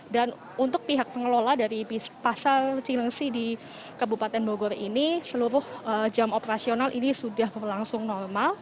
dan untuk pihak pengelola dari pasar cilangsi di kabupaten bogor ini seluruh jam operasional ini sudah berlangsung non reaktif